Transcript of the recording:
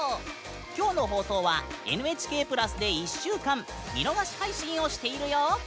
今日の放送は「ＮＨＫプラス」で１週間見逃し配信をしているよ！